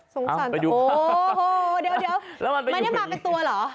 สงสัยโอ้โหเดี๋ยวมันเนี่ยมาเป็นตัวเหรอ